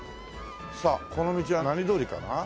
さあこの道は何通りかな？